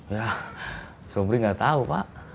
ya sobri tidak tahu pak